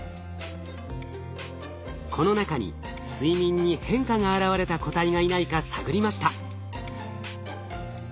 この中に睡眠に変化が現れた個体がいないか探りました。